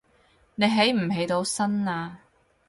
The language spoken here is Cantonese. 你起唔起到身呀